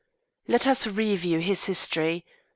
"Let us review his history.